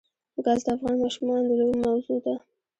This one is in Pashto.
ګاز د افغان ماشومانو د لوبو موضوع ده.